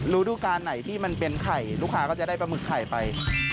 รูดูการไหนที่มันเป็นไข่ลูกค้าก็จะได้ปลาหมึกไข่ไป